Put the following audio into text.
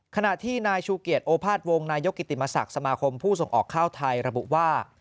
ขณะที่นายชูเกียจโอภาษณวงนายกกิติมศักดิ์สมาคมผู้ส่งออกข้าวไทยระบุว่า